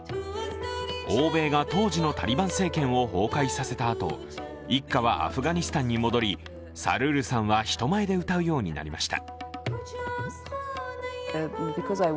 欧米が当時のタリバン政権を崩壊させたあと、一家はアフガニスタンに戻りサルールさんは人前で歌うようになりました。